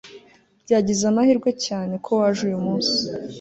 Byagize amahirwe cyane ko waje uyu munsi